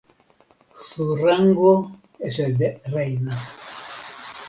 Su rango es el de Reina.